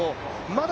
まだ